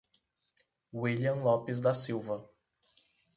Willian Lopes da Silva